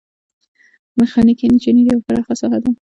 میخانیکي انجنیری یوه پراخه ساحه ده.